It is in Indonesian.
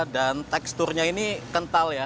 dan teksturnya ini kental ya